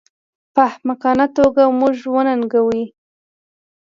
په احمقانه توګه موږ وننګوي